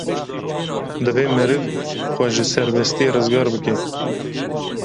Divê meriv xwe ji serbestiyê rizgar bike.